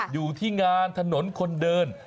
อยู่ที่งานถนนคนเดิน